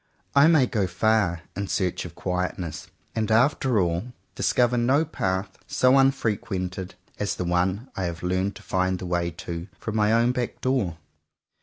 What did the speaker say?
I may go far in search of quietness, and after all, discover no path so unfrequented as the one I have learned to find the way to, from my own back door.